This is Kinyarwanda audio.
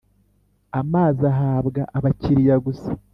amazi ahabwa abakiriya gusa